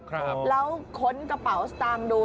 แล้วค้นกระเป๋าสร้างดู